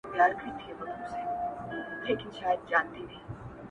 دا کمال دي د یوه جنګي نظر دی،